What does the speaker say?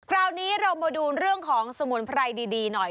คราวนี้เรามาดูเรื่องของสมุนไพรดีหน่อย